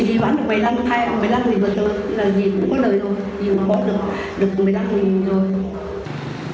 thì dì bán được một mươi năm hay một mươi năm một tờ là gì cũng có đời thôi gì cũng có được được một mươi năm một tờ